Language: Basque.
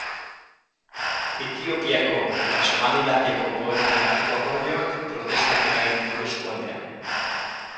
Etiopiako eta Somalilandiako gobernuen arteko akordioak protestak eragin ditu eskualdean.